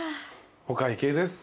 お会計です。